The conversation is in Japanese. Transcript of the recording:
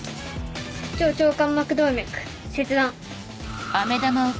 上腸間膜動脈切断。